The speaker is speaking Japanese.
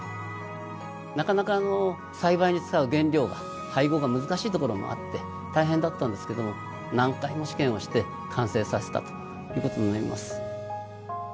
なかなか栽培に使う原料が配合が難しいところもあって大変だったんですけども何回も試験をして完成させたということになります。